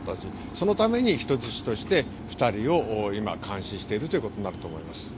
そのために人質として２人を監視しているということになると思います。